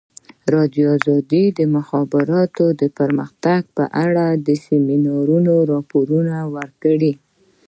ازادي راډیو د د مخابراتو پرمختګ په اړه د سیمینارونو راپورونه ورکړي.